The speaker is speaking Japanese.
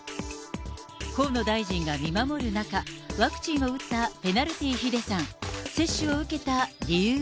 河野大臣が見守る中、ワクチンを打ったペナルティ・ヒデさん。